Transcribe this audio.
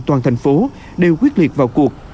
toàn thành phố đều quyết liệt vào cuộc